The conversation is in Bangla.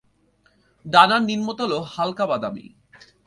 ডানার নিম্নতল হালকা বাদামি।